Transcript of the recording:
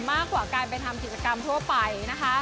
มากกว่าการไปทำกิจกรรมทั่วไปนะคะ